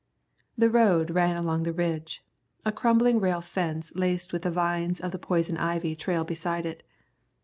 The road ran along the ridge. A crumbling rail fence laced with the vines of the poison ivy trailed beside it.